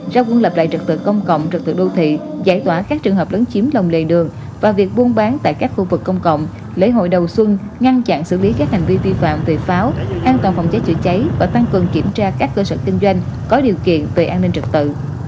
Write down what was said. ra quân lập lại trật tự công cộng trật tự đô thị giải tỏa các trường hợp lấn chiếm lòng lề đường và việc buôn bán tại các khu vực công cộng lễ hội đầu xuân ngăn chặn xử lý các hành vi vi phạm về pháo an toàn phòng cháy chữa cháy và tăng cường kiểm tra các cơ sở kinh doanh có điều kiện về an ninh trật tự